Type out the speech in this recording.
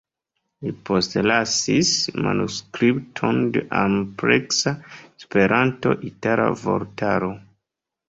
Li postlasis manuskripton de ampleksa Esperanto-itala vortaro.